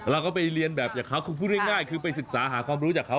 อ๋อแล้วก็ไปเรียนแบบเขาคือพูดง่ายคือไปศึกษาหาความรู้จากเขา